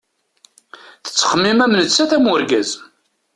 Tettxemmim am nettat am urgaz.